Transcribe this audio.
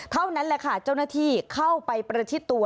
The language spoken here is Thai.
เท่านั้นแหละค่ะเจ้าหน้าที่เข้าไปประชิดตัว